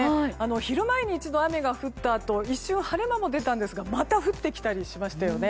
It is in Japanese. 昼前に一度雨が降ったあと一瞬、晴れ間も出たんですがまた降ってきたりしましたよね。